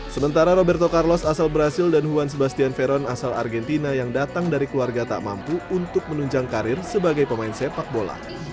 sementara roberto carlos asal brazil dan huan sebastian veron asal argentina yang datang dari keluarga tak mampu untuk menunjang karir sebagai pemain sepak bola